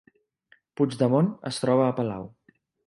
Puigdemont es troba a palau